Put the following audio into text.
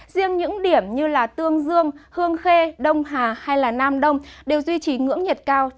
riêng những điểm như tương dương hương khê đông hà hay nam đông đều duy trì ngưỡng nhiệt cao trên ba mươi chín độ